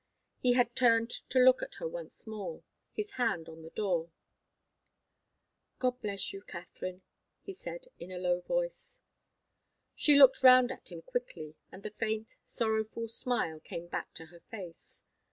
He had turned to look at her once more, his hand on the door. "God bless you Katharine," he said, in a low voice. She looked round at him quickly, and the faint, sorrowful smile came back to her face.